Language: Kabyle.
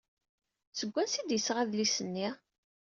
Seg wansi ay d-yesɣa adlis-nni?